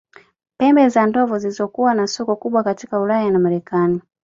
Pembe za ndovu zilizokuwa na soko kubwa katika Ulaya na Marekani